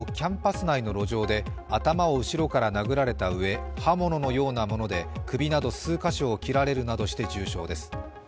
宮台さんは昨日、キャンパス内の路上で頭を後ろから殴られたうえ刃物のようなもので首など数カ所を切られるなどして重傷です。